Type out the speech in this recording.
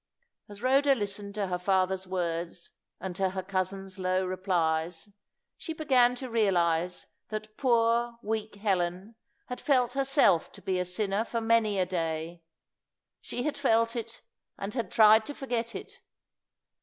As Rhoda listened to her father's words, and to her cousin's low replies, she began to realize that poor, weak Helen had felt herself to be a sinner for many a day. She had felt it, and had tried to forget it.